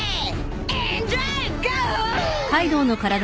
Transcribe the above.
エンジョイゴー！